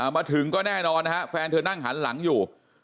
มาถึงก็แน่นอนนะฮะแฟนเธอนั่งหันหลังอยู่